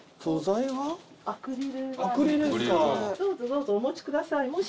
どうぞどうぞお持ちください